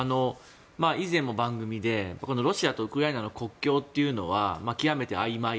以前も番組でロシアとウクライナの国境というのは極めてあいまい。